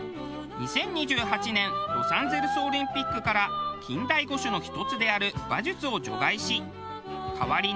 ２０２８年ロサンゼルスオリンピックから近代五種の１つである馬術を除外し代わり